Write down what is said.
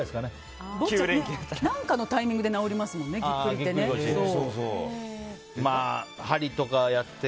何かのタイミングで治りますもんね、ぎっくりって。